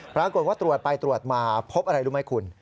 ปรากฏว่าตรวจไปตรวจมาพบอะไรรู้ไหมคุณ